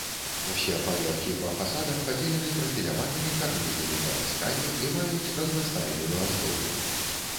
Усе паверхі па фасадах падзелены прафіляванымі карнізнымі паяскамі і маюць разнастайную аздобу.